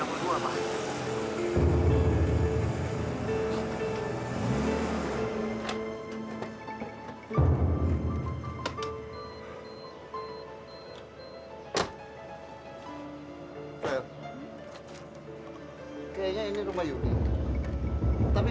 bagaimana keadaan yuli mas